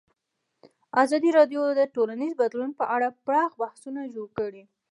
ازادي راډیو د ټولنیز بدلون په اړه پراخ بحثونه جوړ کړي.